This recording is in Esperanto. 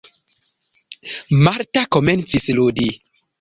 Marta komencis ludi.